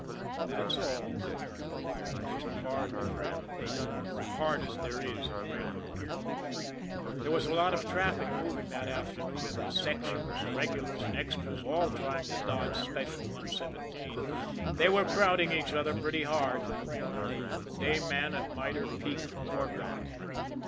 That's all but it's a hard word, the hardest there is in railroading. There was a lot of traffic moving that afternoon, and with sections, regulars, and extras all trying to dodge Special 117, they were crowding each other pretty hard and the day man at Mitre Peak forgot.